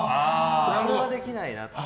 これはできないなって。